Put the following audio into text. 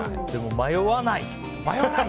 迷わない！